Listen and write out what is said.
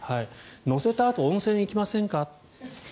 乗せたあと温泉に行きませんか。